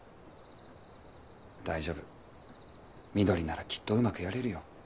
大丈夫翠ならきっとうまくやれるよ。